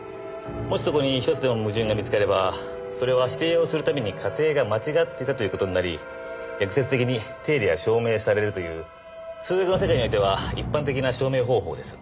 もしそこに１つでも矛盾が見つかればそれは否定をするために仮定が間違っていたという事になり逆説的に定理が証明されるという数学の世界においては一般的な証明方法です。